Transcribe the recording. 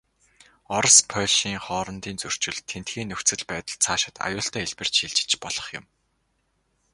Орос, Польшийн хоорондын зөрчил, тэндхийн нөхцөл байдал, цаашид аюултай хэлбэрт шилжиж болох юм.